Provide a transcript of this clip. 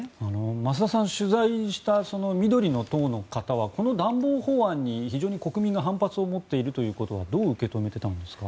増田さん取材した緑の党の方はこの暖房法案に非常に国民が反発を持っていることをどう受け止めていたんですか？